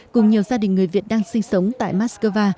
cùng nhiều gia đình người việt đang sinh sống tại moscow